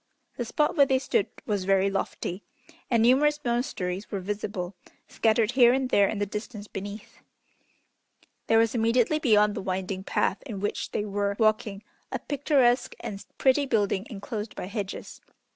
The spot where they stood was very lofty, and numerous monasteries were visible, scattered here and there in the distance beneath. There was immediately beyond the winding path in which they were walking a picturesque and pretty building enclosed by hedges.